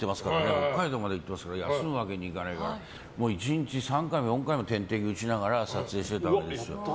北海道まで行ってますから休むわけにはいかないから１日３回も４回も点滴を打ちながら撮影してたんですよ。